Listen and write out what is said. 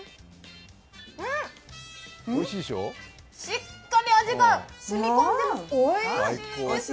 しっかり味が染み込んでます、おいしいです。